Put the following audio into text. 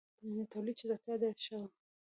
• د تولید چټکتیا ډېره شوه.